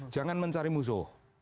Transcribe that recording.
jangan mencari musuh